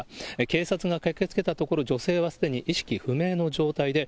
警察が駆けつけたところ、女性はすでに意識不明の状態で、